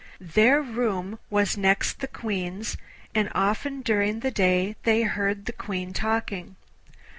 Their room was next the Queen's, and often during the day they heard the Queen talking.